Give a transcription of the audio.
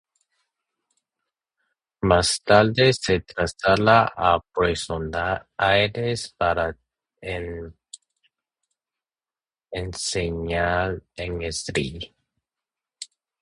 Más tarde se trasladaría a Buenos Aires para enseñar en el St.